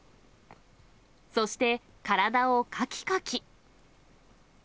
そして、体をかきかき。